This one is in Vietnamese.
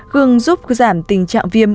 gừng giúp giảm tình trạng viêm